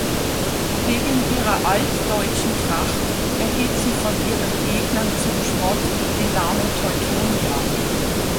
Wegen ihrer altdeutschen Tracht erhielt sie von ihren Gegnern zum Spott den Namen Teutonia.